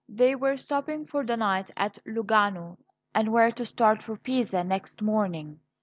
They were stopping for the night at Lugano, and were to start for Pisa next morning.